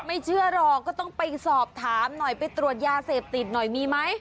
ไม่เชื่อหรอกก็ต้องไปสอบถามหน่อยไปตรวจยาเสพติดหน่อยมีไหม